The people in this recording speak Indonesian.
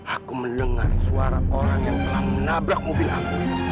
aku mendengar suara orang yang telah menabrak mobil aku